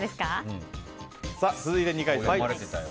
続いて２回戦です。